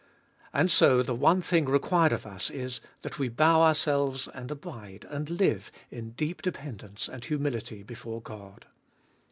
And so the one thing required of us is, that we bow ourselves and abide and live in deep dependence and humility before God.